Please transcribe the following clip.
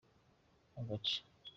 agace.